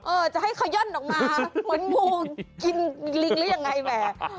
จะให้ขย่อนออกมาเหมือนงูกินลิงหรือยังไงแหม